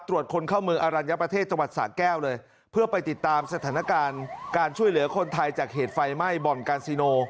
ตรวจคนเข้าเมืองอรัญญประเทศจังหวัดสะแก้วเลยเพื่อไปติดตามสถานการณ์การช่วยเหลือคนไทยจากเหตุไฟไหม้บ่อนกาซิโน